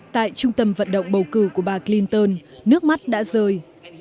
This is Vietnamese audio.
tại trung tâm vận động bầu cử của bà clinton nước mắt đã rơi